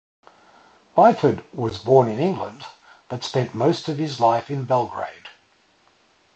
Byford was born in England, but spent most of his life in Belgrade.